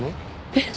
えっ？